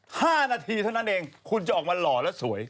ห้านาทีเท่านั้นเองคุณจะออกมาหล่อแล้วสวย